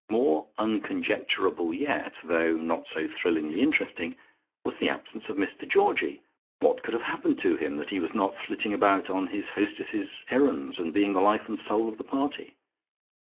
More unconjecturable yet, though not so thrillingly interesting, was the absence of Mr Georgie. What could have happened to him, that he was not flitting about on his hostess's errands, and being the life and soul of the party?